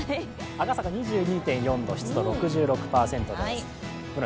赤坂２２．４度、湿度６６％です。